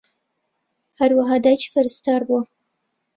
ھەروەھا دایکی پەرستار بووە